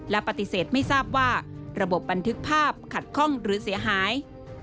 และปฏิเสธไม่ทราบว่าระบบบันทึกภาพขัดข้องหรือเสียหาย